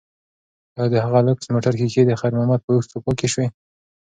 ایا د هغه لوکس موټر ښیښې د خیر محمد په اوښکو پاکې شوې؟